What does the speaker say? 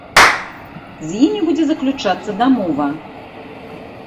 З імі будзе заключацца дамова.